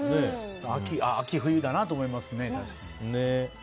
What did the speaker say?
秋冬だなと思いますね、確かに。